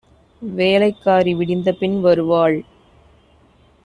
வேலைக் காரி விடிந்தபின் வருவாள்